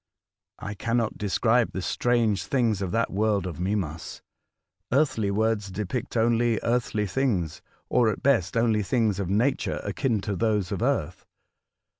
I cannot describe the strange things of that world of Mimas. Earthly words depict only earthly things, or at best only things of nature akin to those of earth.